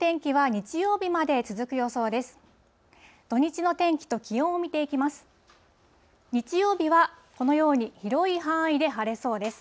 日曜日はこのように広い範囲で晴れそうです。